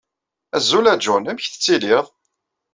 Azul a John, amek telliḍ?